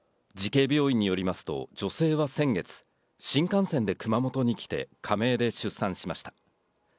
慈恵病院によりますと、女性は先月、新幹線で熊本に来て、仮名で出産しました。